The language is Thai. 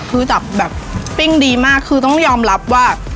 คือจับแบบปิ้งดีมากคือต้องยอมรับว่า